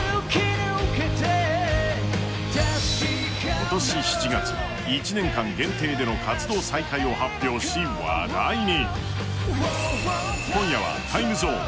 今年７月、１年間限定での活動再開を発表し話題に。